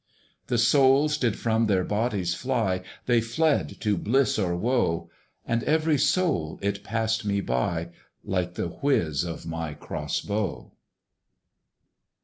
The souls did from their bodies fly, They fled to bliss or woe! And every soul, it passed me by, Like the whizz of my CROSS BOW!